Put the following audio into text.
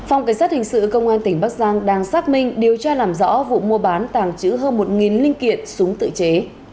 phòng cảnh sát hình sự công an tỉnh bắc giang đang xác minh điều tra làm rõ vụ mua bán tàng trữ hơn một linh kiện súng tự chế